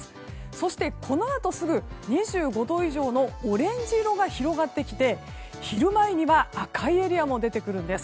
そしてこのあとすぐ２５度以上のオレンジ色が広がってきて昼前には赤いエリアも出てくるんです。